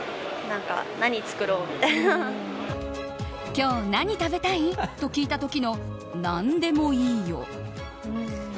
今日何食べたい？と聞いた時の何でもいいよ。